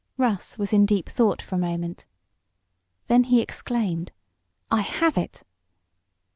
Russ was in deep thought for a moment. Then he exclaimed: "I have it!"